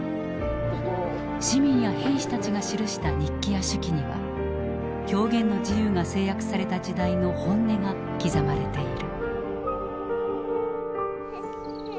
市民や兵士たちが記した日記や手記には表現の自由が制約された時代の本音が刻まれている。